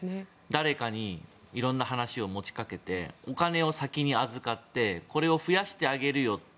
誰かに色んな話を持ちかけてお金を先に預かってこれを増やしてあげるよと。